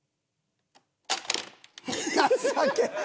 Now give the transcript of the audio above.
情けなっ。